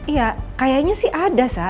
iya kayaknya sih ada sa